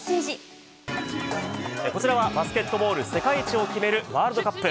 こちらは、バスケットボール世界一を決めるワールドカップ。